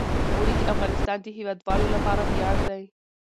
اوړي د افغانستان د هیوادوالو لپاره ویاړ دی.